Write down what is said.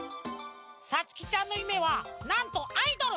さつきちゃんのゆめはなんとアイドル！